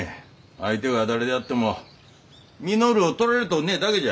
相手が誰であっても稔をとられとうねえだけじゃ。